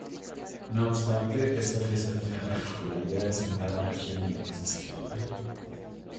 No obstante, esta fiesta tiene particularidades en cada región en la que se celebra.